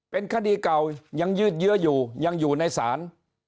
เป็นคดีเก่ายังยืดเยื้ออยู่ยังอยู่ในศาล